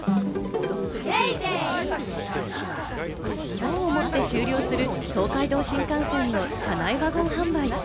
きょうをもって終了する東海道新幹線の車内ワゴン販売。